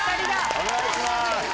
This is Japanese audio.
お願いします。